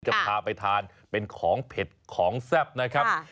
จะพาไปทานเป็นของเผ็ดของแซ่บนะครับ